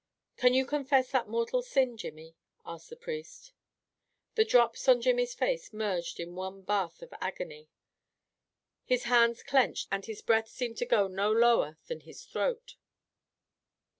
"Can you confess that mortal sin, Jimmy?" asked the priest. The drops on Jimmy's face merged in one bath of agony. His hands clenched and his breath seemed to go no lower than his throat.